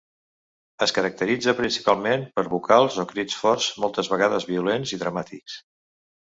Es caracteritza principalment per vocals o crits forts moltes vegades violents i dramàtics.